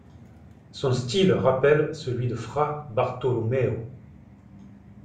Son style rappelle celui de Fra Bartolomeo.